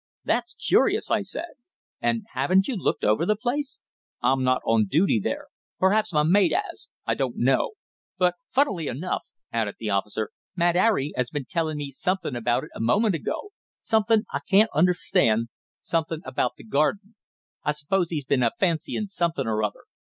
"That's curious," I said. "And haven't you looked over the place?" "I'm not on duty there. Perhaps my mate 'as. I don't know. But, funnily enough," added the officer, "Mad 'Arry has been tellin' me something about it a moment ago something I can't understand something about the garden. I suppose 'e's been a fancyin' something or other.